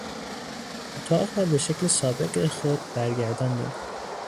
اتاق را به شکل سابق خود برگرداندیم.